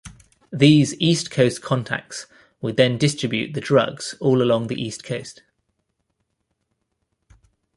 These East Coast contacts would then distribute the drugs all along the East Coast.